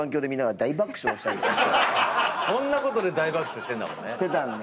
そんなことで大爆笑してんだもんね。